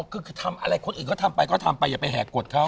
คือทำอะไรคนอื่นเขาทำไปก็ทำไปอย่าไปแหกกฎเขา